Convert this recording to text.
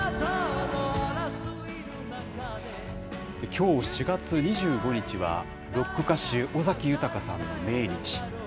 きょう４月２５日はロック歌手、尾崎豊さんの命日。